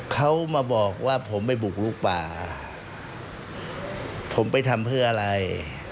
เขามาบอกว่าผมไปบุกลุกป่าผมไปทำเพื่ออะไร